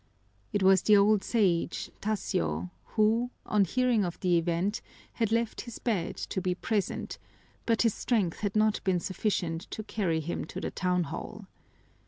It was the old Sage, Tasio, who, on hearing of the event, had left his bed to be present, but his strength had not been sufficient to carry him to the town hall.